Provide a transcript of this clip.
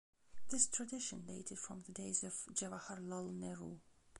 This tradition dated from the days of Jawaharlal Nehru.